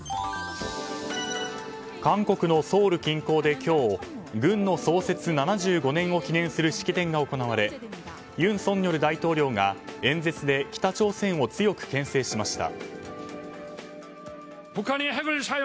韓国のソウル近郊で今日軍の創設７５年を記念する式典が行われ尹錫悦大統領が演説で北朝鮮を強く牽制しました。